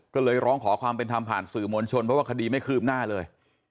ก็เลยร้องขอความเป็นธรรมผ่านสื่อมวลชนเพราะว่าคดีไม่คืบหน้าเลย